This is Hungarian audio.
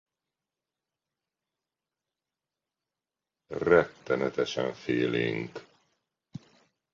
Rettenetesen félénk.